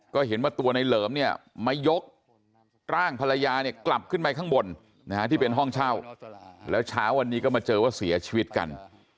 ก็เห็นว่าตัวในเหลิมเนี่ยมายกร่างภรรยาเนี่ยกลับขึ้นไปข้างบนที่เป็นห้องเช่าแล้วเช้าวันนี้ก็มาเจอว่าเสียชีวิตกัน